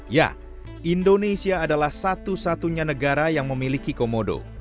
ya indonesia adalah satu satunya negara yang memiliki komodo